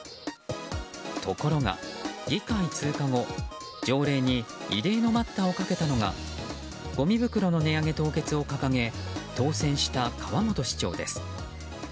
ところが議会通過後条例に異例の待ったをかけたのがごみ袋の値上げ凍結を掲げ当選した川本市長です。